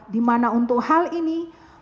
dimana untuk hal ini